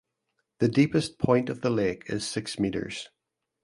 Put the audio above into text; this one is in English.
The deepest point of the lake is six meters.